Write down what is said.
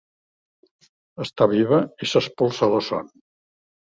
Està viva i s’espolsa la son.